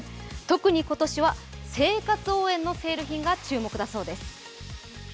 特に今年は生活応援のセール品が注目だそうです。